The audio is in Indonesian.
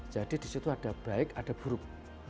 jadi disitu ada baik ada buruk